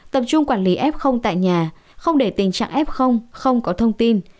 tập trung quản lý f tại nhà không để tình trạng f không có thông tin